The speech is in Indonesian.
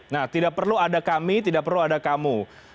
nah tidak perlu ada kami tidak perlu ada kamu